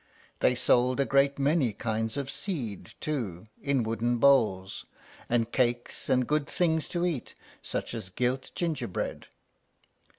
They sold a great many kinds of seed, too, in wooden bowls, and cakes and good things to eat, such as gilt gingerbread.